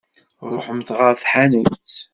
Ṛuḥemt ɣer tḥanut!